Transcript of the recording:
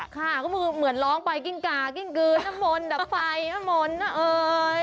ค่ะก็คือเหมือนร้องไปกิ้งกากิ้งกือน้ำมนต์ดับไฟน้ำมนต์นะเอ่ย